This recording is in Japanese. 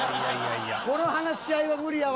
この話し合いは無理やわ。